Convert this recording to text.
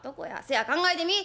せや考えてみ。